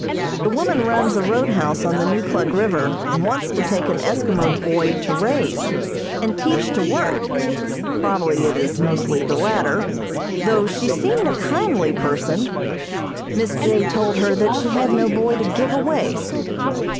The woman runs a roadhouse on the Neukluk River, and wants to take an Eskimo boy to raise, and teach to work probably it is mostly the latter, though she seemed a kindly person. Miss J. told her that she had no boy to give away.